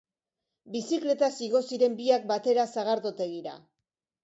Bizikletaz igo ziren biak batera sagardotegira.